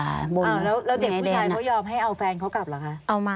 แล้วเด็กผู้ชายเขายอมให้เอาแฟนเขากลับเหรอคะเอามา